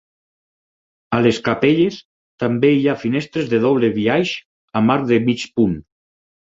A les capelles també hi ha finestres de doble biaix amb arc de mig punt.